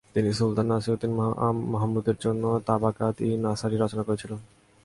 তিনি সুলতান নাসিরউদ্দিন মাহমুদের জন্য তাবাকাত-ই-নাসিরি রচনা করেছিলেন।